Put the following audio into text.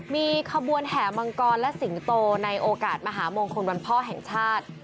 มีขบวนแห่มังกรและสิงโตในโอกาสมหามงคลวันพ่อแห่งชาติ